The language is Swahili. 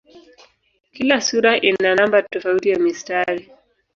Kila sura ina namba tofauti ya mistari.